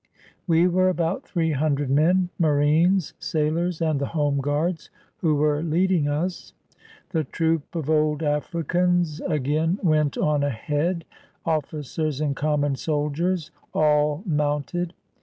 We were about three hundred men, — marines, sailors, and the home guards, who were leading us. The troop of old Africans again went on ahead, ofl5 cers and common soldiers, all mounted.